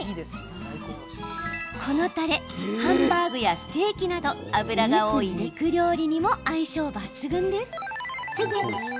このたれ、ハンバーグやステーキなど油が多い肉料理にも相性抜群です。